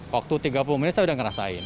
waktu tiga puluh menit saya udah ngerasain